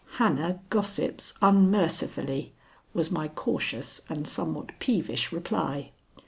"Hannah gossips unmercifully," was my cautious and somewhat peevish reply.